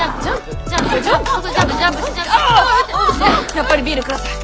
やっぱりビール下さい。